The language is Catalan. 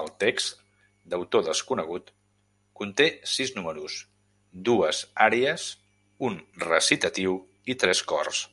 El text, d'autor desconegut, conté sis números: dues àries, un recitatiu i tres cors.